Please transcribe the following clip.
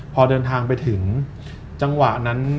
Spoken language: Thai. พอเดินทางไปถึงจังหวะนั้น